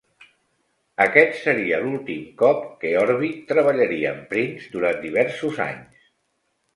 Aquest seria l'últim cop que Orbit treballaria amb Prince durant diversos anys.